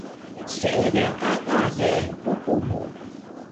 Seediq gaga ge bubu mu